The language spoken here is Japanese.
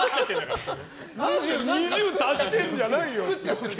２０足してるんじゃないよ。